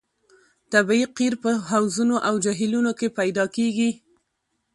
طبیعي قیر په حوضونو او جهیلونو کې پیدا کیږي